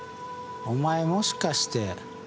お前もしかして。